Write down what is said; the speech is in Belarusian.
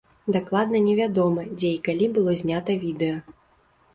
Дакладна невядома, дзе і калі было знята відэа.